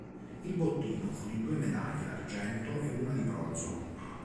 Il bottino fu di due medaglie d'argento e una di bronzo.